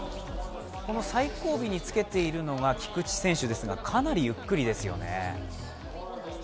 最後尾につけているのが菊池選手ですがかなりゆっくりですよね。